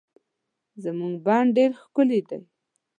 زمونږ بڼ ډير ښکلي دي